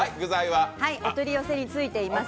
お取り寄せについています